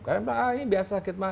karena ini biasa sakit mah